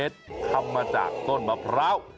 ทำมาจากต้นมะพร้าว